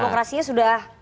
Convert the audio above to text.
di amerika demokrasinya sudah